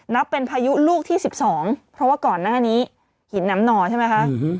นับเป็นพายุลูกที่๑๒เพราะว่าก่อนหน้านี้หินน้ำหน่อใช่ไหมคะ